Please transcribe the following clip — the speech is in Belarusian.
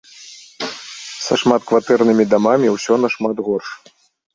Са шматкватэрнымі дамамі ўсё нашмат горш.